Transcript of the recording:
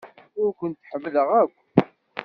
Ur kent-ḥemmleɣ akk.